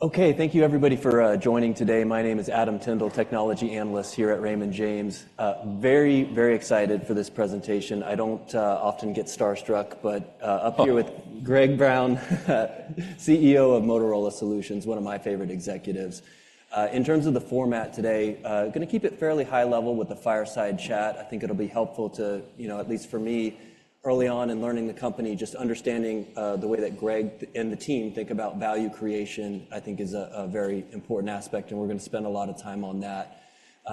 Okay, thank you everybody for joining today. My name is Adam Tindle, technology analyst here at Raymond James. Very, very excited for this presentation. I don't often get starstruck, but up here with Greg Brown, CEO of Motorola Solutions, one of my favorite executives. In terms of the format today, going to keep it fairly high level with the fireside chat. I think it'll be helpful to, you know, at least for me early on in learning the company, just understanding the way that Greg and the team think about value creation, I think is a very important aspect, and we're going to spend a lot of time on that.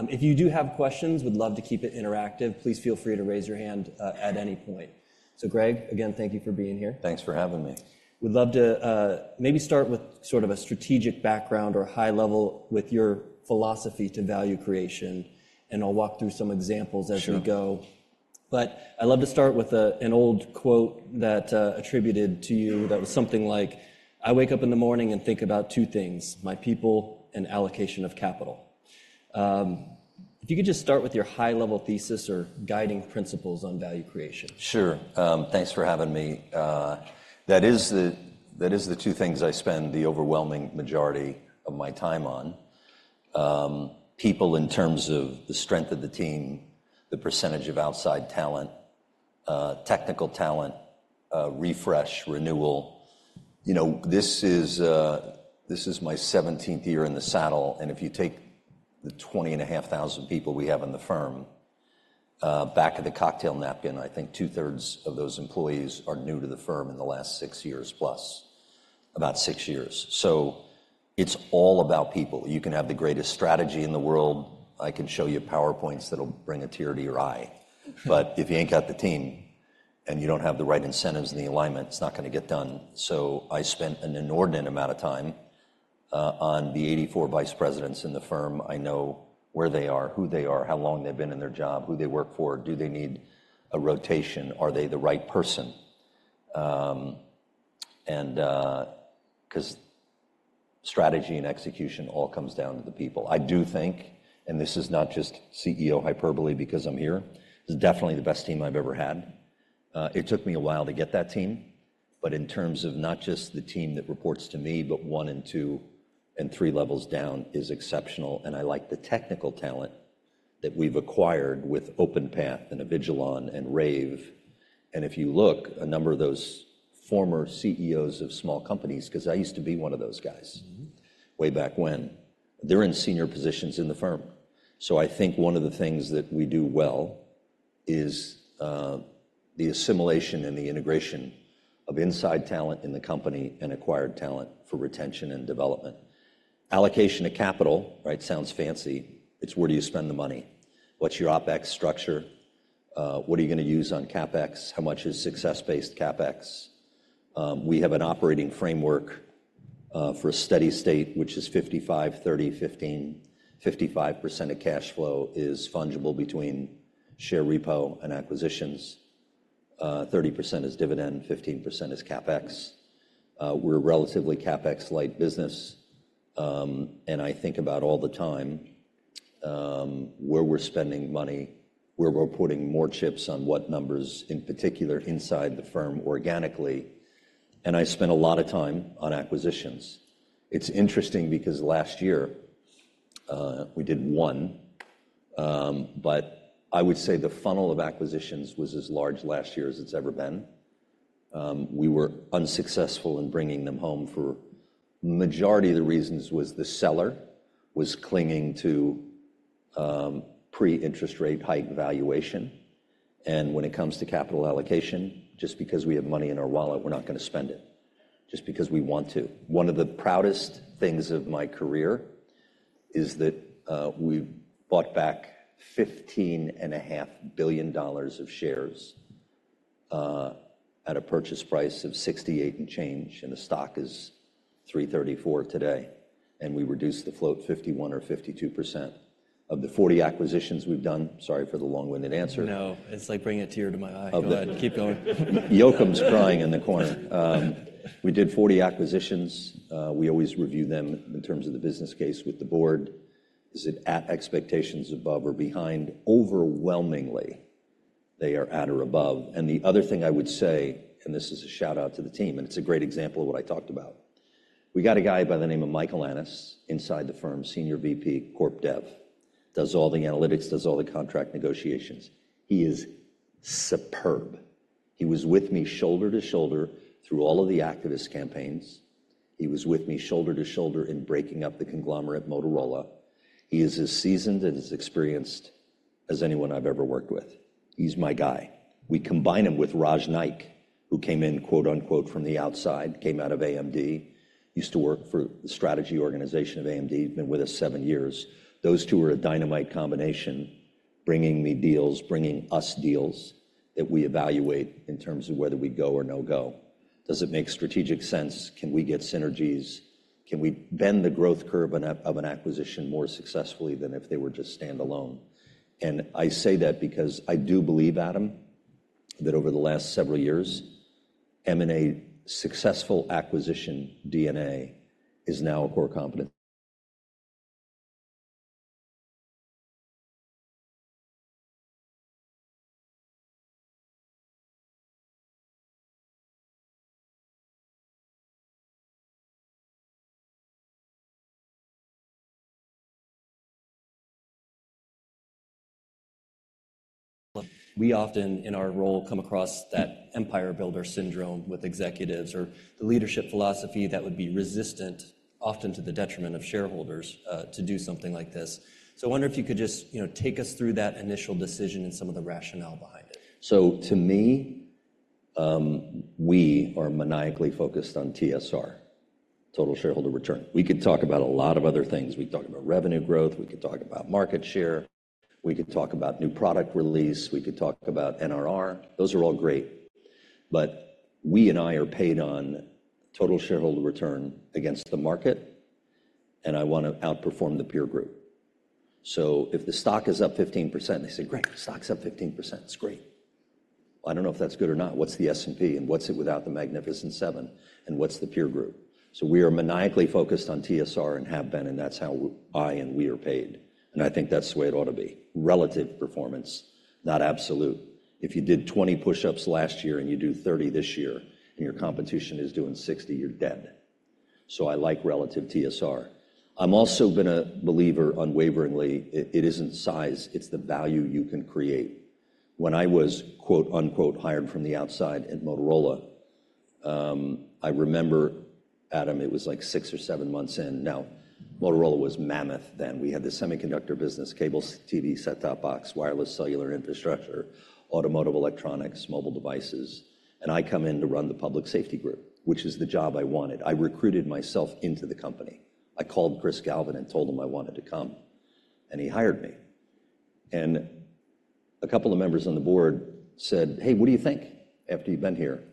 If you do have questions, would love to keep it interactive. Please feel free to raise your hand at any point. So, Greg, again, thank you for being here. Thanks for having me. Would love to, maybe start with sort of a strategic background or high level with your philosophy to value creation, and I'll walk through some examples as we go. Sure. But I'd love to start with an old quote attributed to you that was something like, "I wake up in the morning and think about two things: my people and allocation of capital." If you could just start with your high-level thesis or guiding principles on value creation. Sure. Thanks for having me. That is the... that is the two things I spend the overwhelming majority of my time on. People in terms of the strength of the team, the percentage of outside talent, technical talent, refresh, renewal. You know, this is, this is my 17th year in the saddle, and if you take the 20,500 people we have in the firm, back of the cocktail napkin, I think two-thirds of those employees are new to the firm in the last six years plus, about six years. So it's all about people. You can have the greatest strategy in the world. I can show you PowerPoints that'll bring a tear to your eye. But if you ain't got the team and you don't have the right incentives and the alignment, it's not going to get done. So I spent an inordinate amount of time on the 84 vice presidents in the firm. I know where they are, who they are, how long they've been in their job, who they work for. Do they need a rotation? Are they the right person? And because strategy and execution all comes down to the people. I do think, and this is not just CEO hyperbole because I'm here, it's definitely the best team I've ever had. It took me a while to get that team, but in terms of not just the team that reports to me, but one and two and three levels down is exceptional. And I like the technical talent that we've acquired with Openpath and Avigilon and Rave. And if you look, a number of those former CEOs of small companies, because I used to be one of those guys way back when, they're in senior positions in the firm. So I think one of the things that we do well is, the assimilation and the integration of inside talent in the company and acquired talent for retention and development. Allocation of capital, right, sounds fancy. It's where do you spend the money? What's your OpEx structure? What are you going to use on CapEx? How much is success-based CapEx? We have an operating framework, for a steady state, which is 55%, 30%, 15%. 55% of cash flow is fungible between share repo and acquisitions. 30% is dividend, 15% is CapEx. We're a relatively CapEx-light business. And I think about all the time where we're spending money, where we're putting more chips on what numbers in particular inside the firm organically. And I spend a lot of time on acquisitions. It's interesting because last year, we did one, but I would say the funnel of acquisitions was as large last year as it's ever been. We were unsuccessful in bringing them home for the majority of the reasons was the seller was clinging to pre-interest rate hike valuation. And when it comes to capital allocation, just because we have money in our wallet, we're not going to spend it just because we want to. One of the proudest things of my career is that we bought back $15.5 billion of shares at a purchase price of $68 and change, and the stock is $334 today. And we reduced the float 51% or 52%. Of the 40 acquisitions we've done... sorry for the long-winded answer. No. It's like bringing it to you or to my eye. Go ahead. Keep going. Yocum's crying in the corner. We did 40 acquisitions. We always review them in terms of the business case with the board. Is it at expectations above or behind? Overwhelmingly, they are at or above. And the other thing I would say, and this is a shout-out to the team, and it's a great example of what I talked about, we got a guy by the name of Michael Annes inside the firm, Senior VP, corp dev, does all the analytics, does all the contract negotiations. He is superb. He was with me shoulder to shoulder through all of the activist campaigns. He was with me shoulder to shoulder in breaking up the conglomerate Motorola. He is as seasoned and as experienced as anyone I've ever worked with. He's my guy. We combine him with Raj Naik, who came in "from the outside," came out of AMD, used to work for the strategy organization of AMD, been with us seven years. Those two are a dynamite combination, bringing me deals, bringing us deals that we evaluate in terms of whether we go or no-go. Does it make strategic sense? Can we get synergies? Can we bend the growth curve of an acquisition more successfully than if they were just standalone? And I say that because I do believe, Adam, that over the last several years, M&A, successful acquisition DNA is now a core competence. We often, in our role, come across that empire builder syndrome with executives or the leadership philosophy that would be resistant, often to the detriment of shareholders, to do something like this. I wonder if you could just, you know, take us through that initial decision and some of the rationale behind it. To me, we are maniacally focused on TSR, total shareholder return. We could talk about a lot of other things. We could talk about revenue growth. We could talk about market share. We could talk about new product release. We could talk about NRR. Those are all great. But we and I are paid on total shareholder return against the market, and I want to outperform the peer group. If the stock is up 15%, they say, "Greg, the stock's up 15%. It's great." Well, I don't know if that's good or not. What's the S&P? And what's it without the Magnificent Seven? And what's the peer group? We are maniacally focused on TSR and have been, and that's how I and we are paid. And I think that's the way it ought to be, relative performance, not absolute. If you did 20 push-ups last year and you do 30 this year and your competition is doing 60, you're dead. So I like relative TSR. I've also been a believer unwaveringly. It isn't size, it's the value you can create. When I was "hired from the outside" at Motorola, I remember, Adam, it was like six or seven months in. Now, Motorola was mammoth then. We had the semiconductor business, cable TV set-top box, wireless cellular infrastructure, automotive electronics, mobile devices. And I come in to run the public safety group, which is the job I wanted. I recruited myself into the company. I called Chris Galvin and told him I wanted to come, and he hired me. And a couple of members on the board said, "Hey, what do you think after you've been here,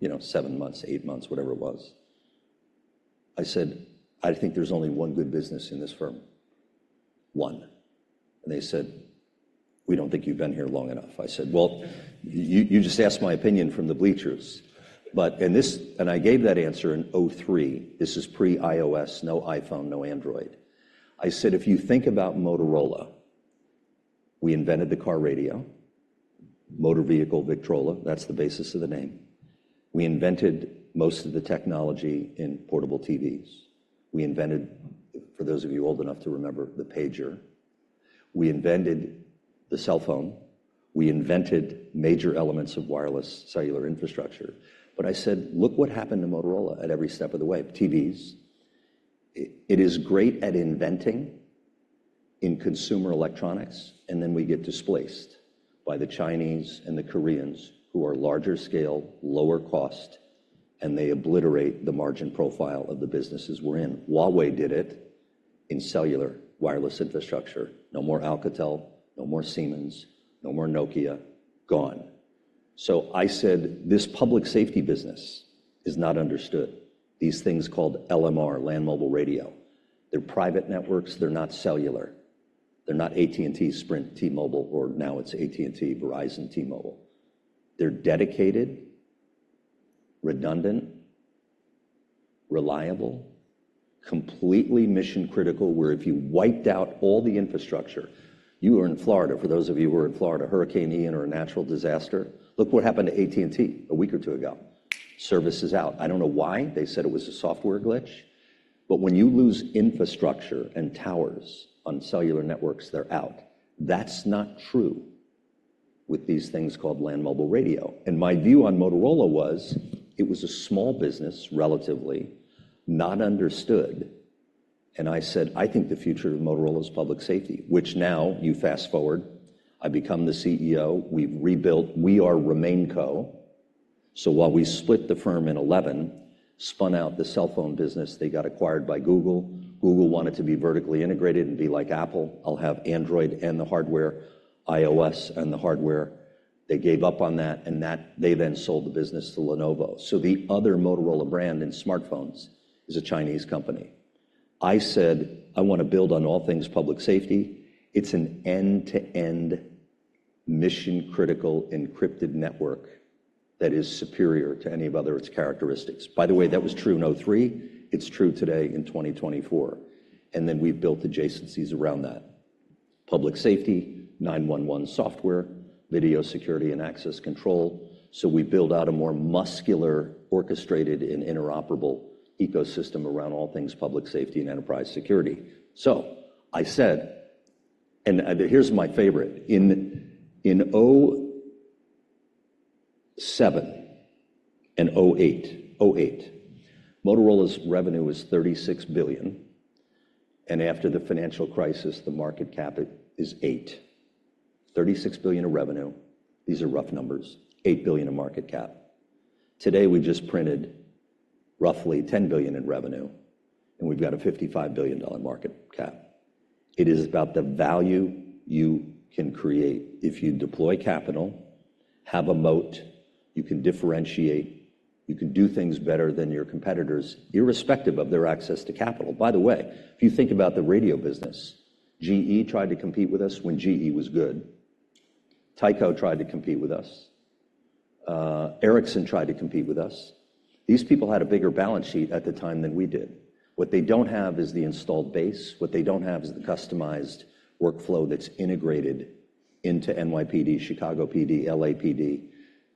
you know, seven months, eight months, whatever it was?" I said, "I think there's only one good business in this firm." "One." And they said, "We don't think you've been here long enough." I said, "Well, you just asked my opinion from the bleachers." But... and this... and I gave that answer in 2003. This is pre-iOS, no iPhone, no Android. I said, "If you think about Motorola, we invented the car radio, motor vehicle Victrola, that's the basis of the name. We invented most of the technology in portable TVs. We invented, for those of you old enough to remember, the pager. We invented the cell phone. We invented major elements of wireless cellular infrastructure." But I said, "Look what happened to Motorola at every step of the way. TVs, it is great at inventing in consumer electronics, and then we get displaced by the Chinese and the Koreans who are larger scale, lower cost, and they obliterate the margin profile of the businesses we're in. Huawei did it in cellular wireless infrastructure. No more Alcatel, no more Siemens, no more Nokia. Gone. So I said, "This public safety business is not understood. These things called LMR, land mobile radio, they're private networks. They're not cellular. They're not AT&T, Sprint, T-Mobile or now it's AT&T, Verizon, T-Mobile. They're dedicated, redundant, reliable, completely mission-critical where if you wiped out all the infrastructure, you were in Florida, for those of you who were in Florida, Hurricane Ian or a natural disaster, look what happened to AT&T a week or two ago. Service is out. I don't know why. They said it was a software glitch. But when you lose infrastructure and towers on cellular networks, they're out. That's not true with these things called Land Mobile Radio." And my view on Motorola was it was a small business, relatively, not understood. And I said, "I think the future of Motorola is public safety," which now, you fast-forward, I become the CEO. We've rebuilt. We are RemainCo. So while we split the firm in 2011, spun out the cell phone business. They got acquired by Google. Google wanted to be vertically integrated and be like Apple. I'll have Android and the hardware, iOS and the hardware. They gave up on that, they then sold the business to Lenovo. So the other Motorola brand in smartphones is a Chinese company. I said, "I want to build on all things public safety. It's an end-to-end mission-critical encrypted network that is superior to any of other its characteristics." By the way, that was true in 2003. It's true today in 2024. And then we've built adjacencies around that: public safety, 911 software, video security and access control. So we build out a more muscular, orchestrated, and interoperable ecosystem around all things public safety and enterprise security. So I said... and here's my favorite. In 2007 and 2008, Motorola's revenue was $36 billion, and after the financial crisis, the market cap is $8 billion. $36 billion of revenue. These are rough numbers. $8 billion of market cap. Today, we just printed roughly $10 billion in revenue, and we've got a $55 billion market cap. It is about the value you can create if you deploy capital, have a moat, you can differentiate, you can do things better than your competitors, irrespective of their access to capital. By the way, if you think about the radio business, GE tried to compete with us when GE was good. Tyco tried to compete with us. Ericsson tried to compete with us. These people had a bigger balance sheet at the time than we did. What they don't have is the installed base. What they don't have is the customized workflow that's integrated into NYPD, Chicago PD, LA PD.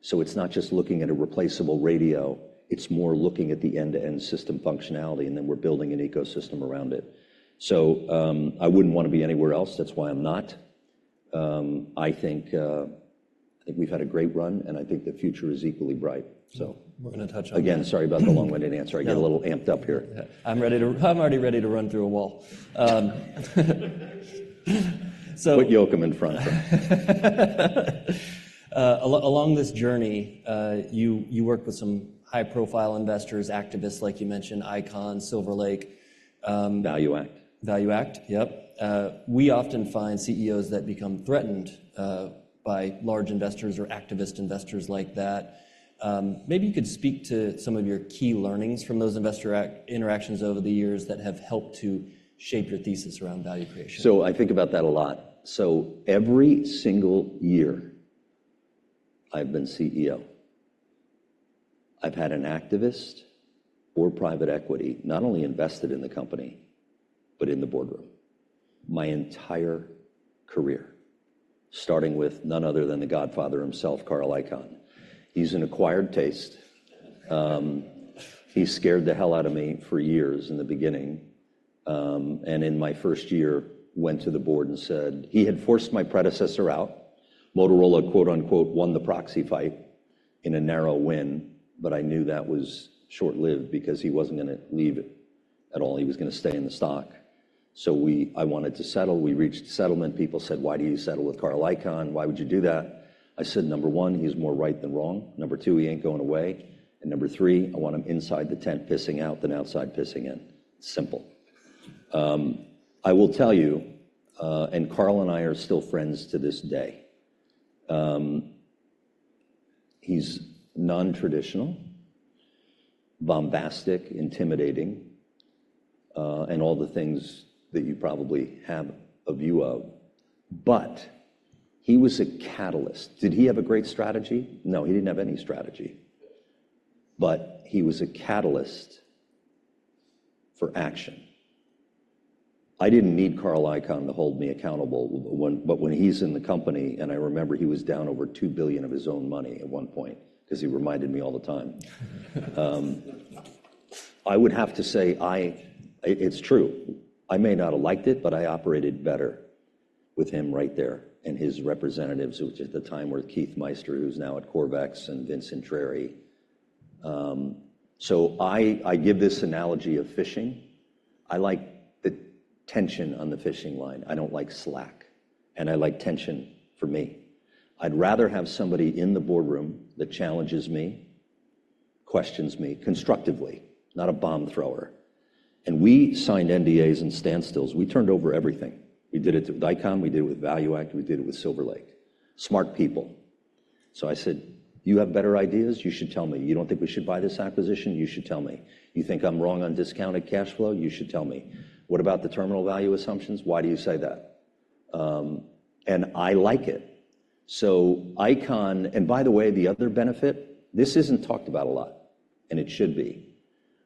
So it's not just looking at a replaceable radio. It's more looking at the end-to-end system functionality, and then we're building an ecosystem around it. So I wouldn't want to be anywhere else. That's why I'm not. I think... I think we've had a great run, and I think the future is equally bright, so... We're going to touch on that. Again, sorry about the long-winded answer. I get a little amped up here. Yeah. I'm ready to... I'm already ready to run through a wall. So... Put Yocum in front. Along this journey, you work with some high-profile investors, activists like you mentioned, Icahn, Silver Lake. Value Act. ValueAct, yep. We often find CEOs that become threatened by large investors or activist investors like that. Maybe you could speak to some of your key learnings from those investor interactions over the years that have helped to shape your thesis around value creation. So I think about that a lot. So every single year I've been CEO, I've had an activist or private equity not only invested in the company but in the boardroom my entire career, starting with none other than the godfather himself, Carl Icahn. He's an acquired taste. He's scared the hell out of me for years in the beginning. And in my first year, went to the board and said... he had forced my predecessor out. Motorola "won the proxy fight" in a narrow win, but I knew that was short-lived because he wasn't going to leave at all. He was going to stay in the stock. So we... I wanted to settle. We reached settlement. People said, "Why do you settle with Carl Icahn? Why would you do that?" I said, "Number one, he's more right than wrong. Number two, he ain't going away. And number three, I want him inside the tent pissing out than outside pissing in. Simple. I will tell you, and Carl and I are still friends to this day. He's nontraditional, bombastic, intimidating, and all the things that you probably have a view of. But he was a catalyst. Did he have a great strategy? No, he didn't have any strategy. But he was a catalyst for action. I didn't need Carl Icahn to hold me accountable when... but when he's in the company and I remember he was down over $2 billion of his own money at one point because he reminded me all the time. I would have to say I... it's true. I may not have liked it, but I operated better with him right there and his representatives, which at the time were Keith Meister, who's now at Corvex, and Vincent Intrieri. So I... I give this analogy of fishing. I like the tension on the fishing line. I don't like slack, and I like tension for me. I'd rather have somebody in the boardroom that challenges me, questions me constructively, not a bomb thrower. And we signed NDAs and standstills. We turned over everything. We did it with Icahn. We did it with ValueAct. We did it with Silver Lake. Smart people. So I said, "You have better ideas. You should tell me. You don't think we should buy this acquisition? You should tell me. You think I'm wrong on discounted cash flow? You should tell me. What about the terminal value assumptions? Why do you say that?" And I like it. So Icahn... And by the way, the other benefit, this isn't talked about a lot, and it should be,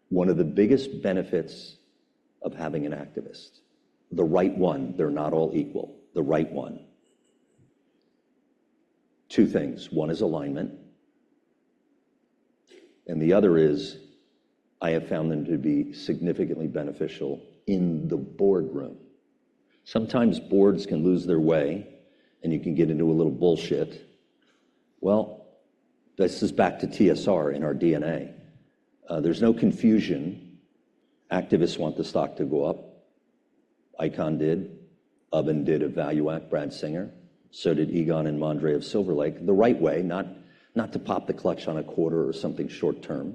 one of the biggest benefits of having an activist, the right one. They're not all equal. The right one. Two things. One is alignment, and the other is I have found them to be significantly beneficial in the boardroom. Sometimes boards can lose their way, and you can get into a little bullshit. Well, this is back to TSR in our DNA. There's no confusion. Activists want the stock to go up. Icahn did. Ubben did at ValueAct. Brad Singer. So did Egon and Mondre of Silver Lake. The right way, not to pop the clutch on a quarter or something short-term.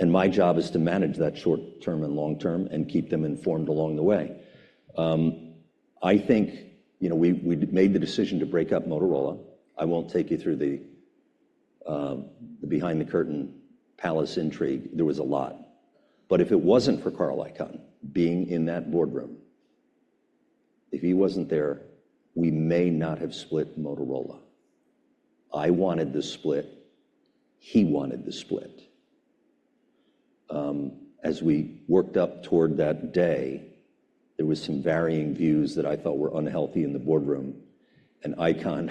And my job is to manage that short-term and long-term and keep them informed along the way. I think, you know, we... We made the decision to break up Motorola. I won't take you through the behind-the-curtain palace intrigue. There was a lot. But if it wasn't for Carl Icahn being in that boardroom, if he wasn't there, we may not have split Motorola. I wanted the split. He wanted the split. As we worked up toward that day, there were some varying views that I thought were unhealthy in the boardroom, and Icahn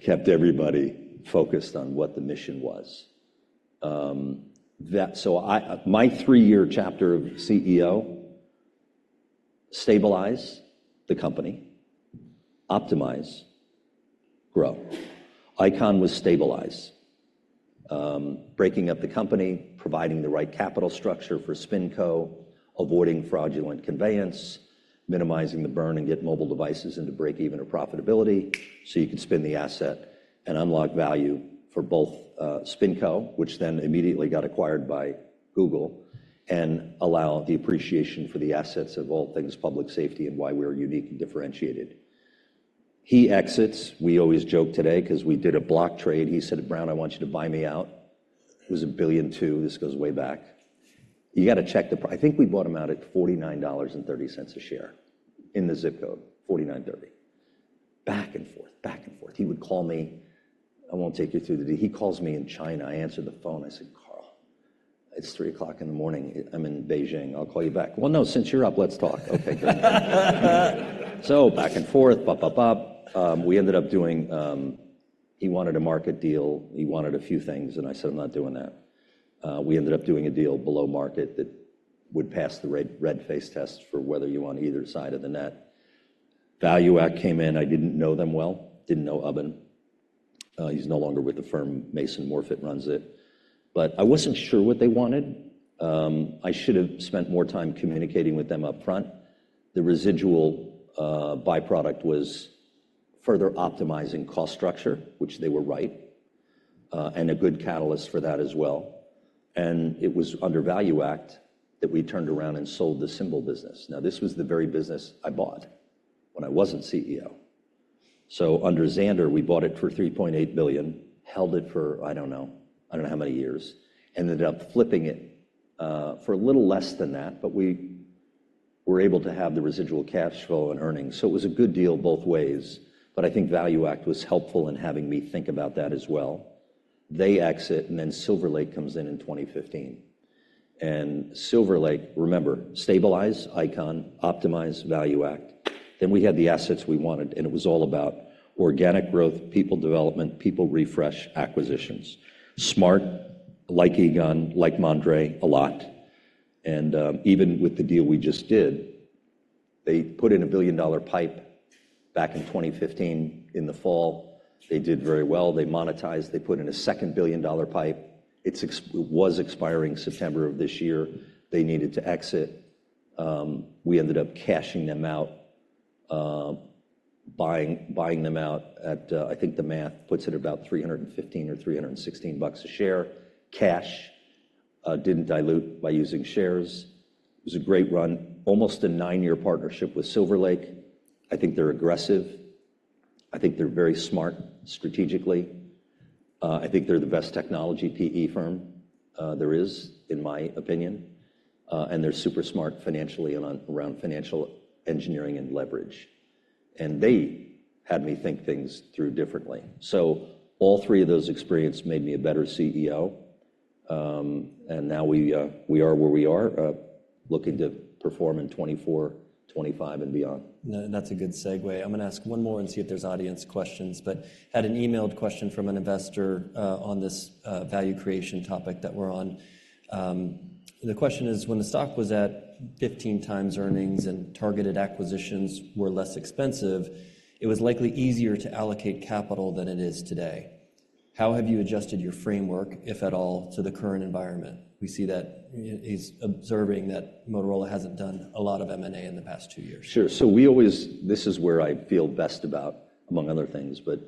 kept everybody focused on what the mission was. That... so I... my three-year chapter of CEO, stabilize the company, optimize, grow. Icahn was stabilize, breaking up the company, providing the right capital structure for SpinCo, avoiding fraudulent conveyance, minimizing the burn and get mobile devices into break-even or profitability so you could spin the asset and unlock value for both SpinCo, which then immediately got acquired by Google, and allow the appreciation for the assets of all things public safety and why we're unique and differentiated. He exits. We always joke today because we did a block trade. He said, "Brown, I want you to buy me out." It was $1.2 billion. This goes way back. "You got to check the price." I think we bought him out at $49.30 a share in the zip code, 49.30. Back and forth, back and forth. He would call me. I won't take you through the... he calls me in China. I answer the phone. I said, "Carl, it's 3:00 A.M. I'm in Beijing. I'll call you back." "Well, no. Since you're up, let's talk." "Okay, good." So back and forth. We ended up doing... he wanted a market deal. He wanted a few things, and I said, "I'm not doing that." We ended up doing a deal below market that would pass the red, red face test for whether you want either side of the net. ValueAct came in. I didn't know them well. Didn't know Ubben. He's no longer with the firm. Mason Morfit runs it. But I wasn't sure what they wanted. I should have spent more time communicating with them upfront. The residual byproduct was further optimizing cost structure, which they were right, and a good catalyst for that as well. And it was under ValueAct that we turned around and sold the Symbol business. Now, this was the very business I bought when I wasn't CEO. So under Zander, we bought it for $3.8 billion, held it for, I don't know, I don't know how many years, ended up flipping it for a little less than that, but we were able to have the residual cash flow and earnings. So it was a good deal both ways. But I think ValueAct was helpful in having me think about that as well. They exit, and then Silver Lake comes in in 2015. And Silver Lake, remember, stabilize Icahn, optimize ValueAct. Then we had the assets we wanted, and it was all about organic growth, people development, people refresh, acquisitions. Smart, like Egon, like Mondre, a lot. And even with the deal we just did, they put in a billion-dollar pipe back in 2015 in the fall. They did very well. They monetized. They put in a second billion-dollar pipe. It was expiring September of this year. They needed to exit. We ended up cashing them out, buying... buying them out at, I think the math puts it at about $315-$316 a share, cash, didn't dilute by using shares. It was a great run, almost a nine-year partnership with Silver Lake. I think they're aggressive. I think they're very smart strategically. I think they're the best technology PE firm there is, in my opinion. And they're super smart financially and on around financial engineering and leverage. And they had me think things through differently. So all three of those experiences made me a better CEO. And now we... We are where we are looking to perform in 2024, 2025, and beyond. That's a good segue. I'm going to ask one more and see if there's audience questions, but had an emailed question from an investor on this value creation topic that we're on. The question is, "When the stock was at 15x earnings and targeted acquisitions were less expensive, it was likely easier to allocate capital than it is today. How have you adjusted your framework, if at all, to the current environment?" We see that he's observing that Motorola hasn't done a lot of M&A in the past two years. Sure. So we always... this is where I feel best about, among other things, but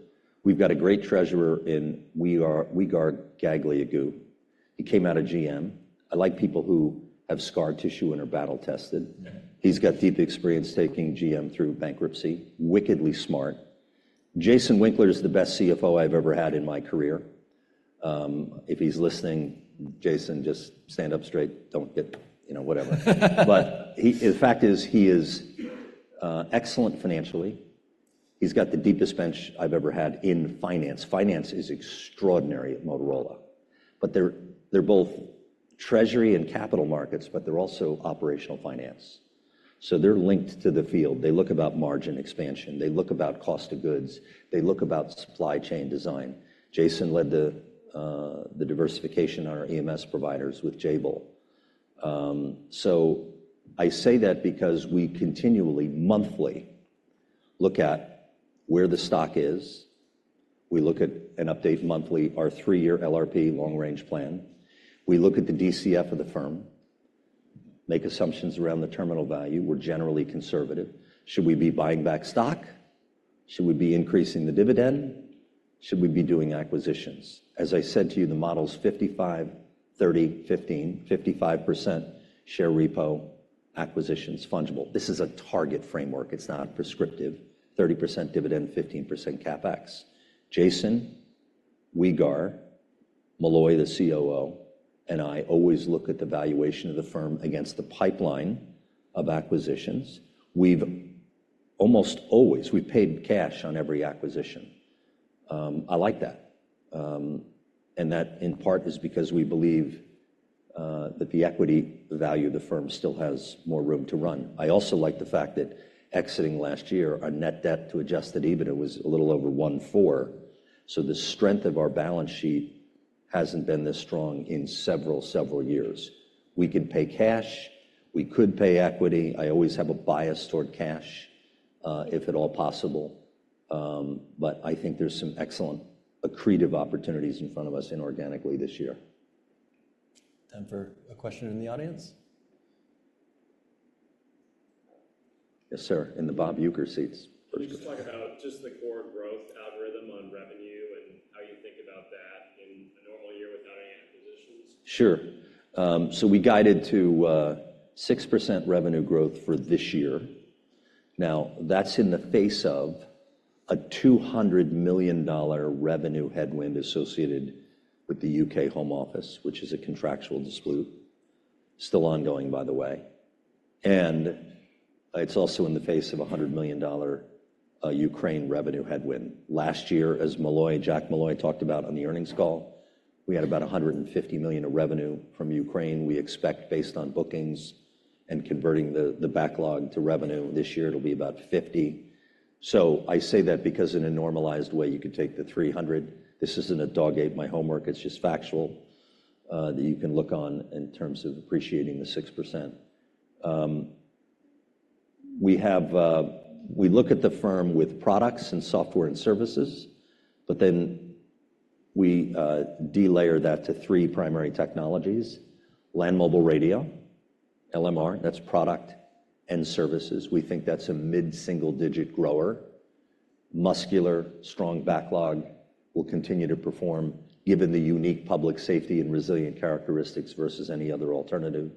we've got a great treasurer in Uygar Gazioglu. He came out of GM. I like people who have scar tissue and are battle-tested. He's got deep experience taking GM through bankruptcy, wickedly smart. Jason Winkler is the best CFO I've ever had in my career. If he's listening, Jason, just stand up straight. Don't get, you know, whatever. But he... the fact is, he is excellent financially. He's got the deepest bench I've ever had in finance. Finance is extraordinary at Motorola. But they're... they're both treasury and capital markets, but they're also operational finance. So they're linked to the field. They look about margin expansion. They look about cost of goods. They look about supply chain design. Jason led the... the diversification on our EMS providers with Jabil. I say that because we continually, monthly, look at where the stock is. We look at and update monthly our three-year LRP, long-range plan. We look at the DCF of the firm, make assumptions around the terminal value. We're generally conservative. Should we be buying back stock? Should we be increasing the dividend? Should we be doing acquisitions? As I said to you, the model is 55%, 30%, 15%, 55% share repo, acquisitions, fungible. This is a target framework. It's not prescriptive, 30% dividend, 15% CapEx. Jason, Uygar, Molloy, the COO, and I always look at the valuation of the firm against the pipeline of acquisitions. We've almost always... we've paid cash on every acquisition. I like that. That in part is because we believe that the equity value of the firm still has more room to run. I also like the fact that exiting last year, our net debt to adjusted EBITDA was a little over 1.4. So the strength of our balance sheet hasn't been this strong in several, several years. We could pay cash. We could pay equity. I always have a bias toward cash if at all possible. But I think there's some excellent accretive opportunities in front of us inorganically this year. Time for a question in the audience. Yes, sir. In the Bob Uecker seats. Can you just talk about just the core growth algorithm on revenue and how you think about that in a normal year without any acquisitions? Sure. So we guided to 6% revenue growth for this year. Now, that's in the face of a $200 million revenue headwind associated with the UK Home Office, which is a contractual dispute, still ongoing, by the way. And it's also in the face of a $100 million Ukraine revenue headwind. Last year, as Molloy, Jack Molloy, talked about on the earnings call, we had about $150 million of revenue from Ukraine. We expect, based on bookings and converting the backlog to revenue this year, it'll be about $50 million. So I say that because in a normalized way, you could take the $300 million. This isn't a dog-eat-my-homework. It's just factual that you can look on in terms of appreciating the 6%. We look at the firm with products and software and services, but then we delayer that to three primary technologies: Land Mobile Radio, LMR. That's product and services. We think that's a mid-single digit grower, muscular, strong backlog, will continue to perform given the unique public safety and resilient characteristics versus any other alternative,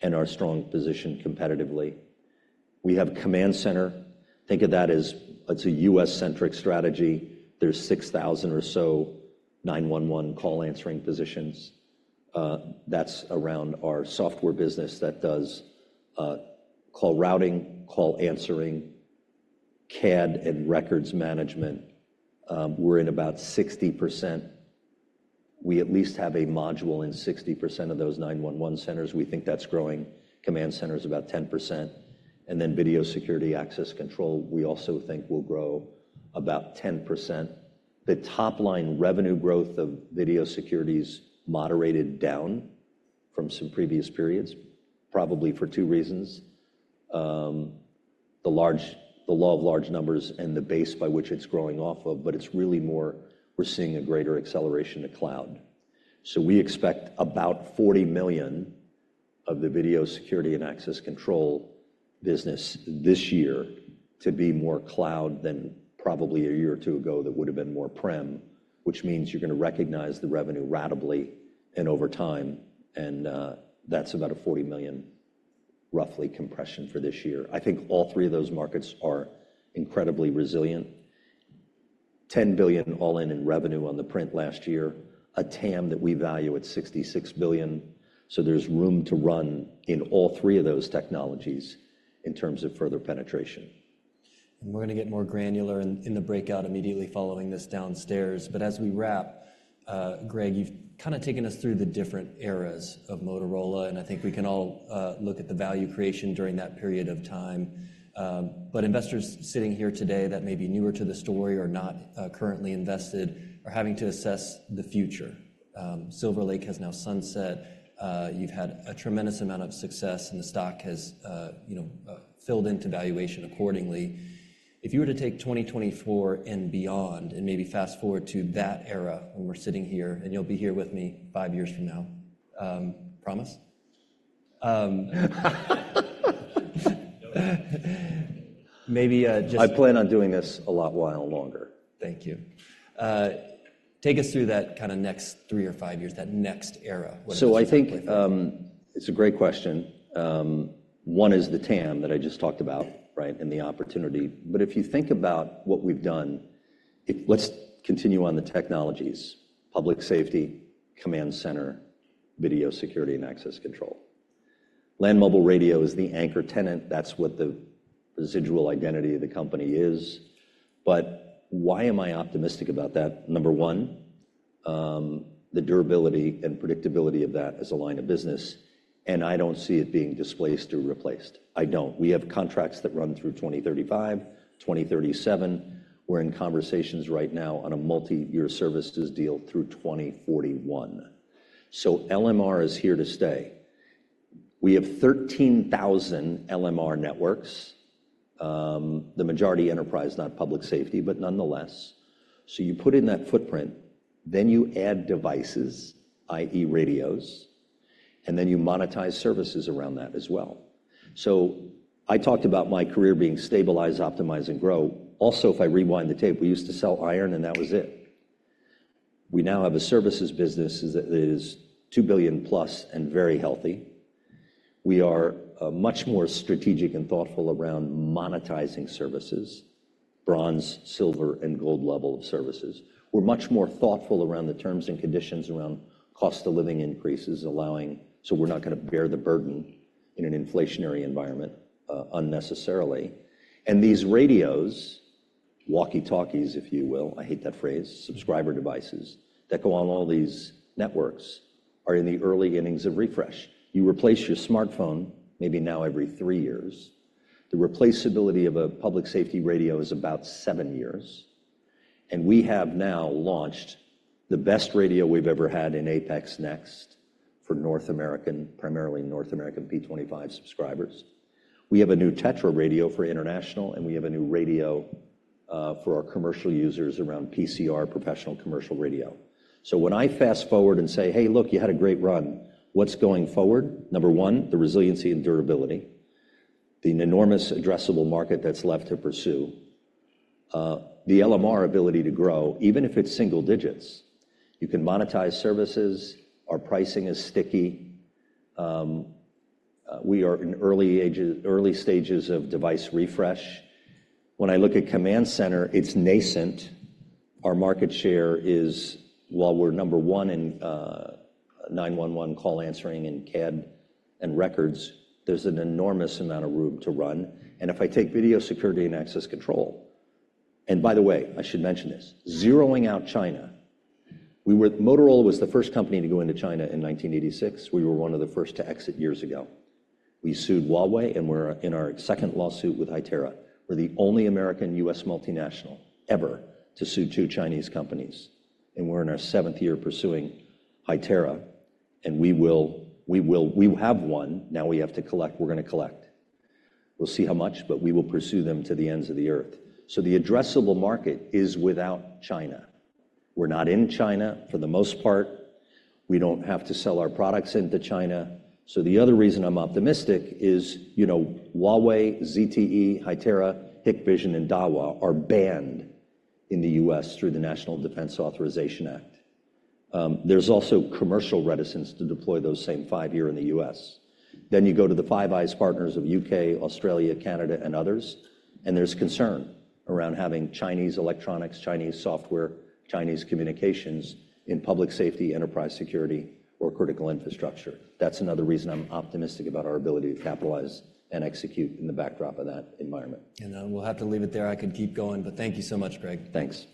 and our strong position competitively. We have Command Center. Think of that as it's a U.S.-centric strategy. There's 6,000 or so 911 call answering positions. That's around our software business that does call routing, call answering, CAD, and records management. We're in about 60%. We at least have a module in 60% of those 911 centers. We think that's growing. Command Center is about 10%. And then video security access control, we also think, will grow about 10%. The top-line revenue growth of video security is moderated down from some previous periods, probably for two reasons: the large... The law of large numbers and the base by which it's growing off of, but it's really more we're seeing a greater acceleration to cloud. So we expect about $40 million of the video security and access control business this year to be more cloud than probably a year or two ago that would have been more prem, which means you're going to recognize the revenue ratably and over time. And that's about a $40 million roughly compression for this year. I think all three of those markets are incredibly resilient. $10 billion all-in in revenue on the print last year, a TAM that we value at $66 billion. So there's room to run in all three of those technologies in terms of further penetration. And we're going to get more granular in the breakout immediately following this downstairs. But as we wrap, Greg, you've kind of taken us through the different eras of Motorola, and I think we can all look at the value creation during that period of time. But investors sitting here today that may be newer to the story or not currently invested are having to assess the future. Silver Lake has now sunset. You've had a tremendous amount of success, and the stock has, you know, filled into valuation accordingly. If you were to take 2024 and beyond and maybe fast forward to that era when we're sitting here, and you'll be here with me five years from now, promise? Maybe just. I plan on doing this a lot while longer. Thank you. Take us through that kind of next three or five years, that next era. So I think it's a great question. One is the TAM that I just talked about, right, and the opportunity. But if you think about what we've done, if let's continue on the technologies: public safety, Command Center, video security and access control. Land Mobile Radio is the anchor tenant. That's what the residual identity of the company is. But why am I optimistic about that? Number one, the durability and predictability of that as a line of business, and I don't see it being displaced or replaced. I don't. We have contracts that run through 2035, 2037. We're in conversations right now on a multi-year services deal through 2041. So LMR is here to stay. We have 13,000 LMR networks, the majority enterprise, not public safety, but nonetheless. So you put in that footprint, then you add devices, i.e., radios, and then you monetize services around that as well. So I talked about my career being stabilize, optimize, and grow. Also, if I rewind the tape, we used to sell iron, and that was it. We now have a services business that is $2 billion+ and very healthy. We are much more strategic and thoughtful around monetizing services, bronze, silver, and gold level of services. We're much more thoughtful around the terms and conditions around cost of living increases, allowing... so we're not going to bear the burden in an inflationary environment unnecessarily. And these radios, walkie-talkies, if you will, I hate that phrase, subscriber devices that go on all these networks are in the early innings of refresh. You replace your smartphone maybe now every three years. The replaceability of a public safety radio is about seven years. And we have now launched the best radio we've ever had in APX NEXT for North America, primarily North American P25 subscribers. We have a new TETRA radio for international, and we have a new radio for our commercial users around PCR, professional commercial radio. So when I fast forward and say, "Hey, look, you had a great run," what's going forward? Number one, the resiliency and durability, the enormous addressable market that's left to pursue, the LMR ability to grow, even if it's single digits. You can monetize services. Our pricing is sticky. We are in early stages of device refresh. When I look at Command Center, it's nascent. Our market share is, while we're number one in 911 call answering and CAD and records, there's an enormous amount of room to run. And if I take video security and access control... And by the way, I should mention this, zeroing out China. We were... Motorola was the first company to go into China in 1986. We were one of the first to exit years ago. We sued Huawei, and we're in our second lawsuit with Hytera. We're the only American U.S. multinational ever to sue two Chinese companies. And we're in our seventh year pursuing Hytera, and we will... we will... we have one. Now we have to collect. We're going to collect. We'll see how much, but we will pursue them to the ends of the earth. So the addressable market is without China. We're not in China for the most part. We don't have to sell our products into China. So the other reason I'm optimistic is, you know, Huawei, ZTE, Hytera, Hikvision, and Dahua are banned in the U.S. through the National Defense Authorization Act. There's also commercial reticence to deploy those same five here in the U.S. Then you go to the Five Eyes partners of U.K., Australia, Canada, and others, and there's concern around having Chinese electronics, Chinese software, Chinese communications in public safety, enterprise security, or critical infrastructure. That's another reason I'm optimistic about our ability to capitalize and execute in the backdrop of that environment. We'll have to leave it there. I could keep going, but thank you so much, Greg. Thanks.